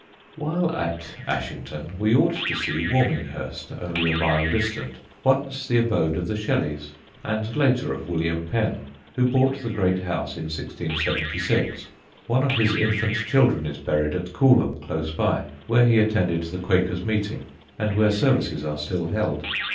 [Sidenote: WILLIAM PENN IN SUSSEX] While at Ashington we ought to see Warminghurst, only a mile distant, once the abode of the Shelleys, and later of William Penn, who bought the great house in 1676. One of his infant children is buried at Coolham, close by, where he attended the Quakers' meeting and where services are still held.